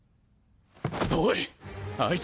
おい！